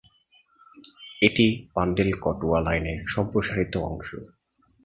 এটি ব্যান্ডেল-কাটোয়া লাইনের সম্প্রসারিত অংশ।